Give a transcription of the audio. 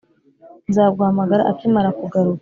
nzaguhamagara akimara kugaruka.